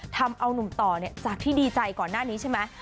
ทำเอานุ่มต่อจากที่ดีใจก่อนหน้านี้ใช่ไหม